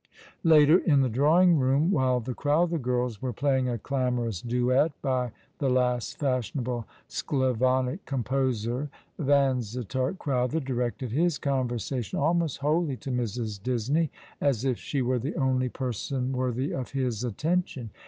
Later, in the drawing room, while the Crowther girls were playing a clamorous duet, by the last fashionable Sclavonic composer, Vansittart Crowther dn'ected his conversation almost wholly to Mrs. Disney, as if she were the only person worthy of his attention.